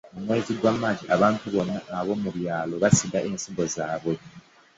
Mu mwezi gwa Maaci abantu bonna ab'omu byalo basiga ensigo zaabwe.